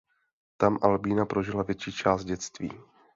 Tam Albína prožila větší část dětství.